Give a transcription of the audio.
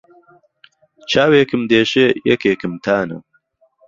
چاوێکم دێشێ یهکێکم تانه